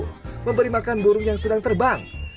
ada burung rangkong yang sedang terbang